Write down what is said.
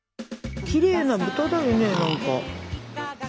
きれいな豚だよね何か。